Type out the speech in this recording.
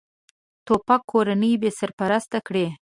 توپک کورنۍ بېسرپرسته کړي.